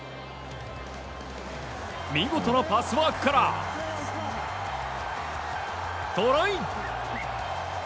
見事なパスワークからトライ！